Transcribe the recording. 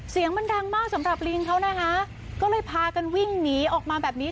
เสียงมันดังมากสำหรับลิงเขานะคะก็เลยพากันวิ่งหนีออกมาแบบนี้